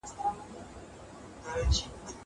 زه به اوږده موده نان خوړلی وم.